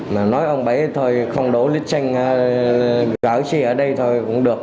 mà nói ông bảy thôi không đổ lít xanh ở đây thôi cũng được